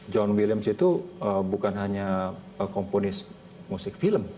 john williams itu bukan hanya komponis musik film